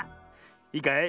いいかい？